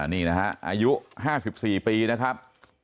นี่นะฮะอายุ๕๔ปีนะครับ